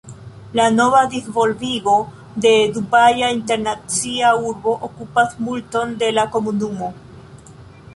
La nova disvolvigo de Dubaja Internacia Urbo okupas multon de la komunumo.